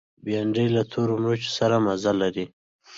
بېنډۍ له تور مرچ سره مزه لري